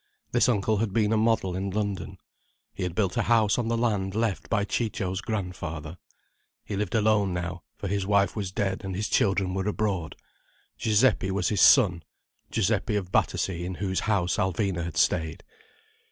This uncle had been a model in London. He had built a house on the land left by Ciccio's grandfather. He lived alone now, for his wife was dead and his children were abroad. Giuseppe was his son: Giuseppe of Battersea, in whose house Alvina had stayed.